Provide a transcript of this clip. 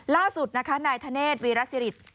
ล่าสุดนายธเนศวีรัสยฤทธิ์